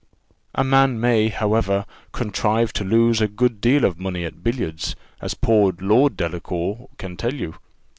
"A man may, however, contrive to lose a good deal of money at billiards, as poor Lord Delacour can tell you.